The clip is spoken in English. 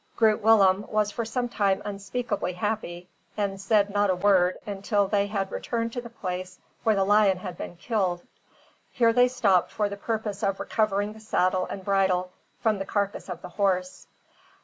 Groot Willem was for some time unspeakably happy, and said not a word until they had returned to the place where the lion had been killed. Here they stopped for the purpose of recovering the saddle and bridle from the carcass of the horse.